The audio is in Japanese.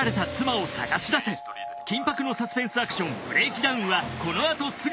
緊迫のサスペンスアクション『ブレーキ・ダウン』はこのあとすぐ